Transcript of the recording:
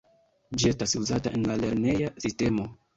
Ĝi estas uzata en la lerneja sistemo.